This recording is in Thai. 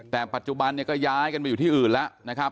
แต่ปัจจุบันเนี่ยก็ย้ายกันไปอยู่ที่อื่นแล้วนะครับ